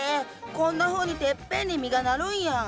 こんなふうにてっぺんに実がなるんや！